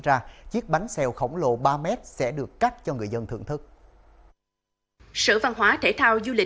ra chiếc bánh xeo khổng lồ ba mét sẽ được cắt cho người dân thưởng thức sở văn hóa thể thao du lịch